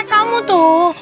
eh kamu tuh